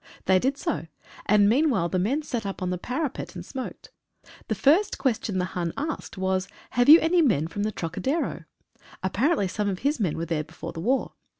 They did so, and meanwhile the men sat up on the parapet and smoked. The first question the Hun asked was, "Have you any men from the Trocadero?" Apparently some of his men were there before the war.